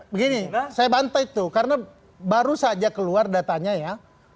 begini saya bantah itu karena baru saja keluar datanya ya